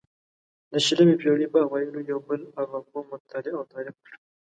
د شلمې پېړۍ په اوایلو یو بل ارواپوه مطالعه او تعریف کړه.